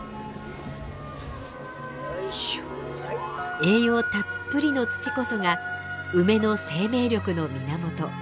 栄養たっぷりの土こそが梅の生命力の源。